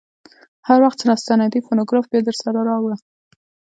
هر وخت چې راستنېدې فونوګراف بیا درسره راوړه.